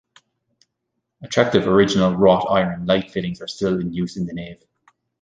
Attractive original wrought iron light fittings are still in use in the nave.